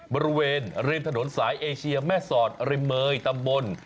บริเวณริมถนนสายเอเชียแม่สอดริมเมยตำบล